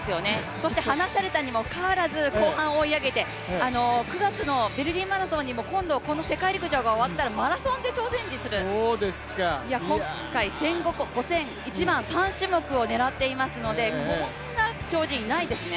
そして離されたにもかかわらず後半追い上げて９月のベルギーマラソンにも、今回世界陸上終わったら、マラソンで挑戦する、今回、１５００、５０００、１００００、３種目を狙っていますのでこんな超人いないですね。